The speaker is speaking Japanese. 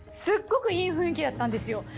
すっごくいい雰囲気だったんですよ。